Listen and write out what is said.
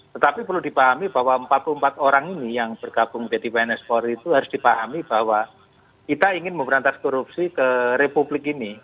tetapi perlu dipahami bahwa empat puluh empat orang ini yang bergabung menjadi pns polri itu harus dipahami bahwa kita ingin memberantas korupsi ke republik ini